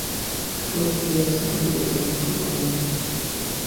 Hoy en día es un partido político en Colombia.